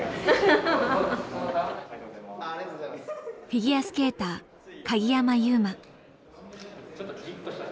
フィギュアスケーター鍵山優真。